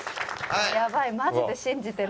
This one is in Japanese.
やばいマジで信じてる。